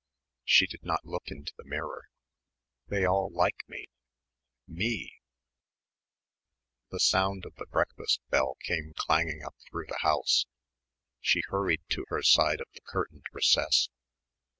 She did not look into the mirror. "They all like me, me." The sound of the breakfast bell came clanging up through the house. She hurried to her side of the curtained recess.